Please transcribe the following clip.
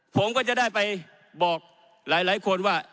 ผมก็จะได้ไปบอกหลายคนว่า